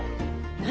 何？